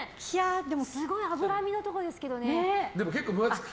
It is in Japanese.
すごい脂身のところですけどね。